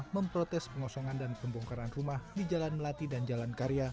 memprotes pengosongan dan pembongkaran rumah di jalan melati dan jalan karya